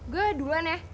gue duluan ya